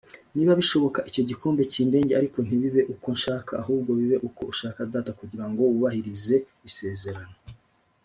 niba bishoboka icyo gikombe kindenge ariko ntibibe uko nshaka ahubwo bibe uko ushaka Data kugira ngo wubahireze isezerano.